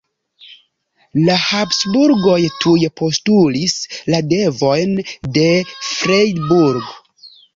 La Habsburgoj tuj postulis la devojn de Freiburg.